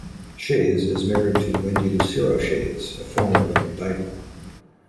Schayes is married to Wendy Lucero-Schayes, a former Olympic diver.